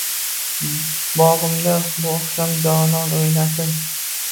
Bog’imda bu oqshom jonon o’ynasin.